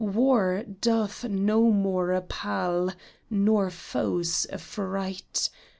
War doth no more appall, nor foes affright !